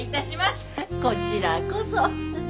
こちらこそ。